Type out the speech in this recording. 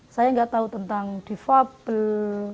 saya nggak tahu tentang defable